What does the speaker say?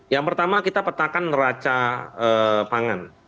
yang pertama kita petakan neraca pangan